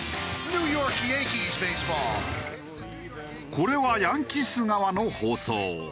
これはヤンキース側の放送。